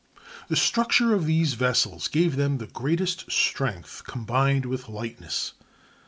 The structure of these vessels gave them the greatest strength combined with lightness.